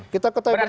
kita ketahui bersama